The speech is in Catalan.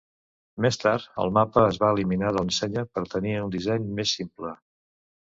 Més tard, el mapa es va eliminar de l'ensenya per tenir un disseny més simple.